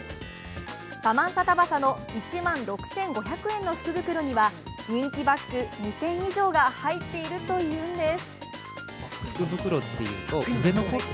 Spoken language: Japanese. サマンサタバサの１万６５００円の福袋には人気のバッグ２点以上が入っているというんです。